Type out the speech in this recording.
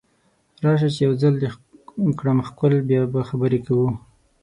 راشه چې یو ځل دې کړم ښکل بیا به خبرې کوو